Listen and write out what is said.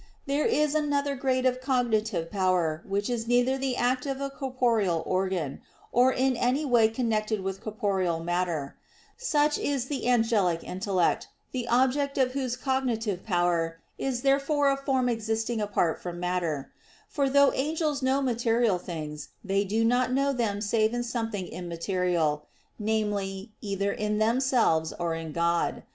There is another grade of cognitive power which is neither the act of a corporeal organ, nor in any way connected with corporeal matter; such is the angelic intellect, the object of whose cognitive power is therefore a form existing apart from matter: for though angels know material things, yet they do not know them save in something immaterial, namely, either in themselves or in God.